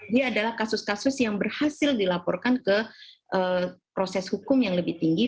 dia adalah kasus kasus yang berhasil dilaporkan ke proses hukum yang lebih tinggi